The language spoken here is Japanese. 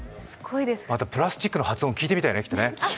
またプラスチックの発音聞いてみたいね。